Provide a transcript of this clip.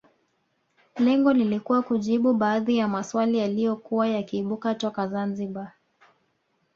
Lengo lilikuwa kujibu baadhi ya maswali yaliyokuwa yakiibuka toka Zanzibar